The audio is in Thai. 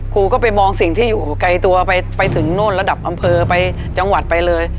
ครูก็ไปมองสิ่งที่อยู่ไกลตัวไปถึงโน่นระดับอำเภอไปจังหวัดไปเลย